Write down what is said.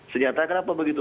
sejata kenapa begitu